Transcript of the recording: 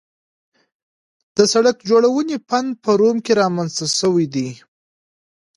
د سړک جوړونې فن په روم کې رامنځته شوی دی